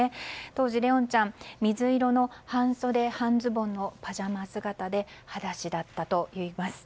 当時、怜音ちゃん、水色の半袖半ズボンのパジャマ姿ではだしだったといいます。